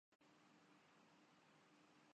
صدیاں بیت جائیں گی۔